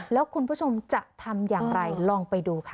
แล้วคุณผู้ชมจะทำอย่างไรลองไปดูค่ะ